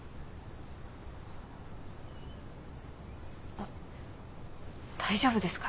あっ大丈夫ですか？